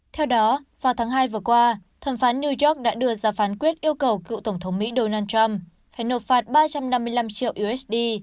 theo đó vào tháng hai vừa qua thẩm phán new york đã đưa ra phán quyết yêu cầu cựu tổng thống mỹ donald trump phải nộp phạt ba trăm năm mươi năm triệu usd